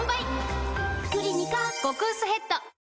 「クリニカ」極薄ヘッド